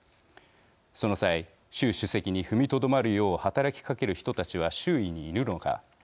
その際習主席に踏みとどまるよう働きかける人たちは周囲にいるのか。